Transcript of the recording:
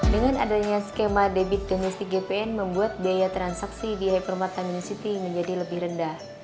dan skema debit domestik gpn membuat biaya transaksi di hypermata marine city menjadi lebih rendah